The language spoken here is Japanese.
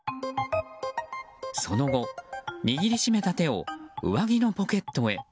その後、握り締めた手を上着のポケットへ。